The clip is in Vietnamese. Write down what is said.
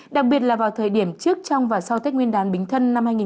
đặc biệt là vào thời điểm trước trong và sau tết nguyên đán bình thân năm hai nghìn một mươi sáu